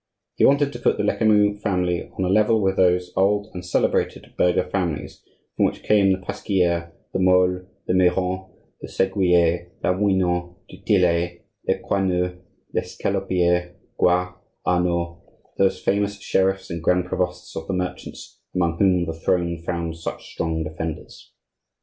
He wanted to put the Lecamus family on a level with those old and celebrated burgher families from which came the Pasquiers, the Moles, the Mirons, the Seguiers, Lamoignon, du Tillet, Lecoigneux, Lescalopier, Goix, Arnauld, those famous sheriffs and grand provosts of the merchants, among whom the throne found such strong defenders.